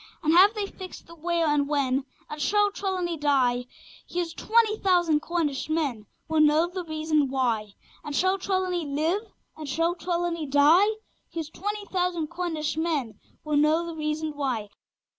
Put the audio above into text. And have they fixed the where and when? And shall Trelawny die? Here's twenty thousand Cornish men Will know the reason why! And shall Trelawny live? Or shall Trelawny die? Here's twenty thousand Cornish men Will know the reason why!